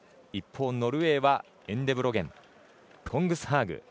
一方ノルウェーはエンゲブロテン、コングスハーグ